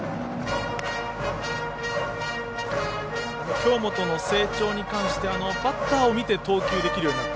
京本の成長に関してバッターを見て投球できるようになった。